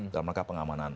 dalam rangka pengamanan